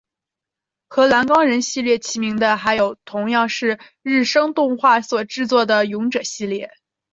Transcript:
和蓝光人系列齐名的还有同样是日升动画所制作的勇者系列。